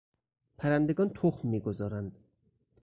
پرندگان تخم میگذارند.